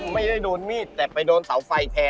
ไม่ได้โดนมีดแต่ไปโดนเสาไฟแทน